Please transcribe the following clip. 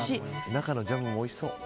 中のジャムもおいしそう。